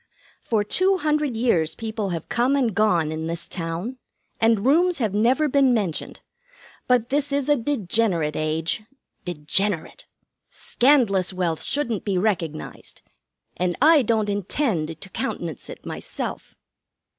'For two hundred years people have come and gone in this town, and rooms have never been mentioned. But this is a degenerate age. Degenerate! Scandalous wealth shouldn't be recognized, and I don't intend to countenance it myself!'